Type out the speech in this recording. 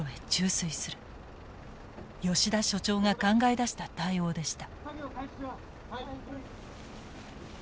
吉田所長が考え出した対応でした。